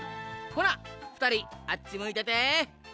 ほなふたりあっちむいてて。